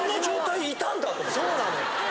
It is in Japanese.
そうなのよ。